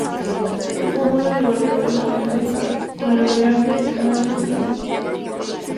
Tuvo una rivalidad permanente con el almirante Maarten Tromp.